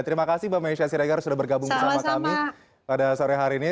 terima kasih mbak mesya siregar sudah bergabung bersama kami pada sore hari ini